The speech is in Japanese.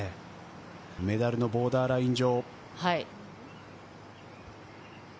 メダルのボーダーライン上。